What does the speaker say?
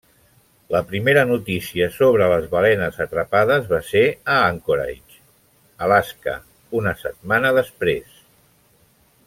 La primera notícia sobre les balenes atrapades va ser a Anchorage, Alaska una setmana després.